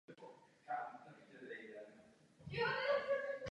Ve Lstiboři prý jich přinesl několik nůší.